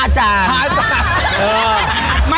๕จาน